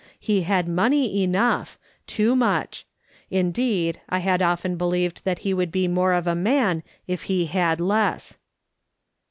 He had money enough, too much ; indeed, I had often believed that he would be more of a man if he had less.